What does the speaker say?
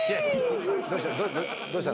どうした？